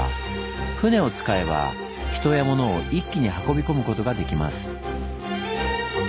舟を使えば人や物を一気に運び込むことができます。